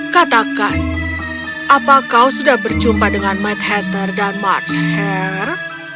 katakan apa kau sudah berjumpa dengan mad hatter dan much hair